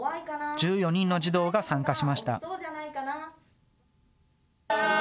１４人の児童が参加しました。